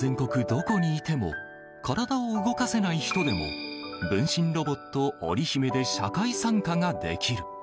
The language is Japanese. どこにいても体を動かせない人でも分身ロボット、オリヒメで社会参加ができる。